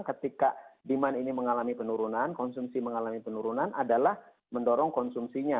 ketika demand ini mengalami penurunan konsumsi mengalami penurunan adalah mendorong konsumsinya